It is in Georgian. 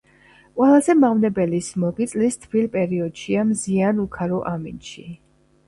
ყველაზე მავნებელი სმოგი წლის თბილ პერიოდშია, მზიან უქარო ამინდში.